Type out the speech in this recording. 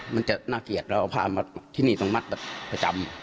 มันจะน่าเกลียดเราเอาผ้ามาที่นี่ต้องมัดแบบประจำ